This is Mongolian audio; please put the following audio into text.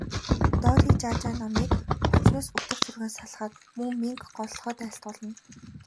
Додижажаа номыг өвчнөөс үтэр түргэн салахад, мөн мэнгэ голлоход айлтгуулна.